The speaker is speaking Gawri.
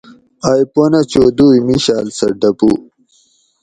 ائی پنہ چو دُوئی مِیشاۤل سہ ڈۤپو